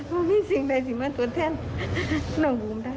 ไม่มีสิ่งใดที่มันอุนแทนน้องบุ้มได้